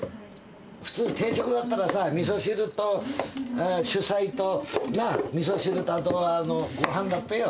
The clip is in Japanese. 普通、定食だったらさ、みそ汁と主菜と、みそ汁と、あとは、ごはんだっぺよ。